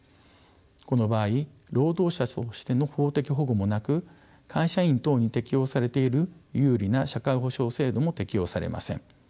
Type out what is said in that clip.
この場合労働者としての法的保護もなく会社員等に適用されている有利な社会保障制度も適用されません。